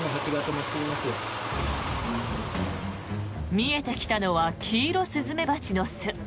見えてきたのはキイロスズメバチの巣。